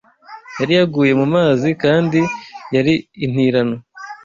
yari yaguye mu mazi kandi yari intirano.